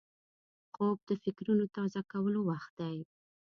خوب د فکرونو تازه کولو وخت دی